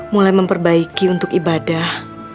mulai memperbaiki untuk ibadah